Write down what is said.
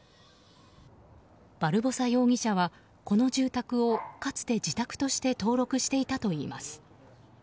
バルボサ容疑者は、この住宅をかつて自宅として登録していたといいます。